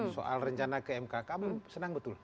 soal rencana ke mkk kamu senang betul